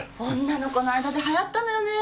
女の子の間で流行ったのよね。